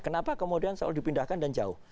kenapa kemudian selalu dipindahkan dan jauh